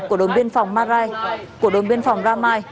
của đồng biên phòng marai của đồng biên phòng ramai